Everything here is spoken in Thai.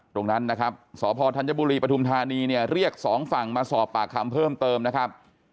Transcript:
ตรงนั้นนะครับสพธัญบุรีปฐุมธานีเนี่ยเรียกสองฝั่งมาสอบปากคำเพิ่มเติมนะครับ